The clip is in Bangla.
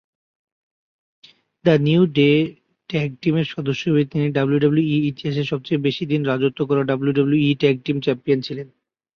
দ্য নিউ ডে ট্যাগ টিমের সদস্য হিসেবে তিনি ডাব্লিউডাব্লিউইর ইতিহাসে সবচেয়ে বেশি দিন রাজত্ব করা ডাব্লিউডাব্লিউই ট্যাগ টিম চ্যাম্পিয়ন ছিলেন।